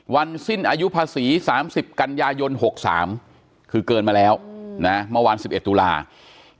วันสิ้นอายุภาษี๓๐กันยายน๖๓คือเกินมาแล้วนะเมื่อวาน๑๑ตุลาคม